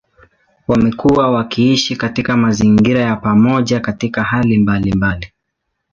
Wamekuwa wakiishi katika mazingira ya pamoja katika hali mbalimbali.